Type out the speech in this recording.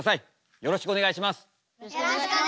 よろしくお願いします。